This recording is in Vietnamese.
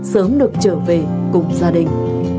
sớm được trở về cùng gia đình